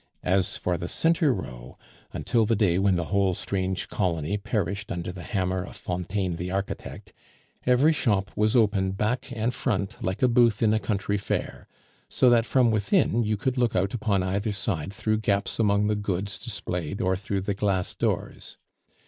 As for the centre row, until the day when the whole strange colony perished under the hammer of Fontaine the architect, every shop was open back and front like a booth in a country fair, so that from within you could look out upon either side through gaps among the goods displayed or through the glass doors.